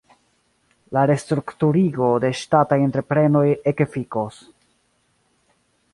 La restrukturigo de ŝtataj entreprenoj ekefikos.